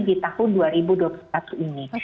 di tahun dua ribu dua puluh satu ini